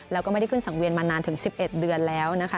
แล้วก็ไม่ได้ขึ้นสังเวียนมานานถึง๑๑เดือนแล้วนะคะ